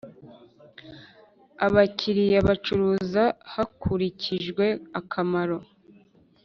abakiliya bacuruza hakurikijwe akamaro.